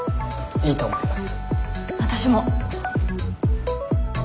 いいと思います。